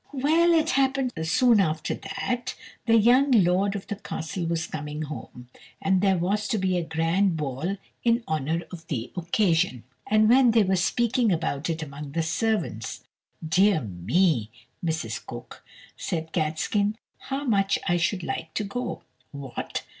Well, it happened soon after that the young lord of the castle was coming home, and there was to be a grand ball in honour of the occasion. And when they were speaking about it among the servants, "Dear me, Mrs. Cook," said Catskin, "how much I should like to go." "What!